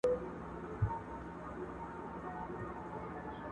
چي نوبت د عزت راغی په ژړا سو،